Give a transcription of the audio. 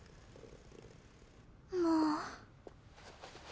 もう。